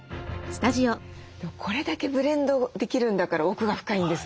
でもこれだけブレンドできるんだから奥が深いんですね。